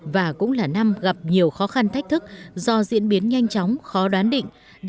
và cũng là năm gặp nhiều khó khăn thách thức do diễn biến nhanh chóng khó đoán định